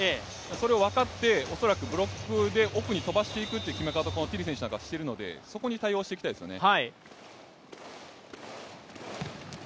それを分かって恐らくブロックで奥に飛ばしていくという決め方をティリ選手なんかはしているのでそこに対応していきたいですよね。